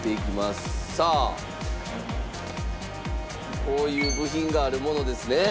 さあこういう部品があるものですね。